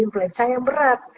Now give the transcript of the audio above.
influenza yang berat